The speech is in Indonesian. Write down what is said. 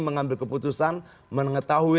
mengambil keputusan mengetahui